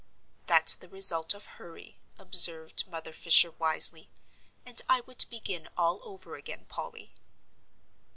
"That's the result of hurry," observed Mother Fisher, wisely, "and I would begin all over again, Polly."